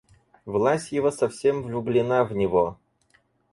Власьева совсем влюблена в него.